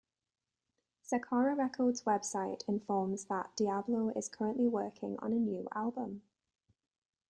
Sakara Records website informs that Diablo is currently working on a new album.